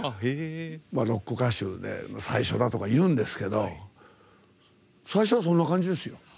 ロック歌手で最初だとか言うんですけど最初は、そんな感じですよ。